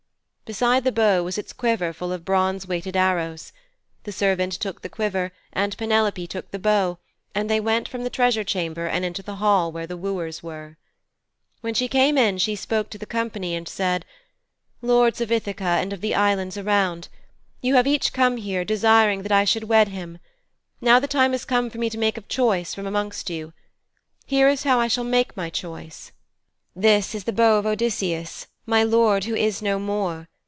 Beside the bow was its quiver full of bronze weighted arrows. The servant took the quiver and Penelope took the bow, and they went from the treasure chamber and into the hall where the wooers were. When she came in she spoke to the company and said: 'Lords of Ithaka and of the islands around: You have come here, each desiring that I should wed him. Now the time has come for me to make my choice of a man from amongst you. Here is how I shall make choice.' 'This is the bow of Odysseus, my lord who is no more.